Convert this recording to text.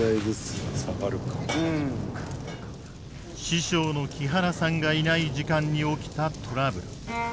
師匠の木原さんがいない時間に起きたトラブル。